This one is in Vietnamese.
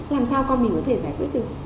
làm sao con mình có thể giải quyết được